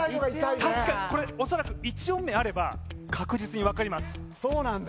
確かにこれ恐らく１音目あれば確実に分かりますそうなんだ